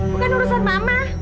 bukan urusan mama